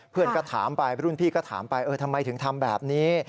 เพื่อนก็ถามไปรุ่นพี่ก็ถามไปเออทำไมถึงทำแบบนี้